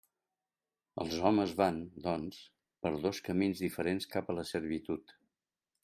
Els homes van, doncs, per dos camins diferents cap a la servitud.